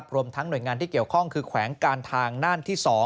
รวมทั้งหน่วยงานที่เกี่ยวข้องคือแขวงการทางน่านที่๒